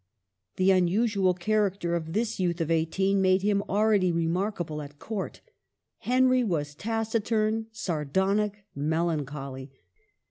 The unusual character of this youth of eighteen made him already remarkable at Court. Henry was taciturn, sardonic, melancholy.